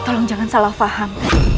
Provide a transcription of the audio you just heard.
tolong jangan salah faham